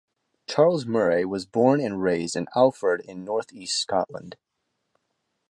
Charles Murray was born and raised in Alford in north-east Scotland.